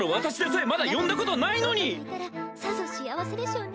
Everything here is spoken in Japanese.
さぞ幸せでしょうね。